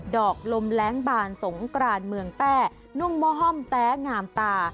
อกลมแรงบานสงกรานเมืองแป้นุ่งมะห้อมแต๊งามตา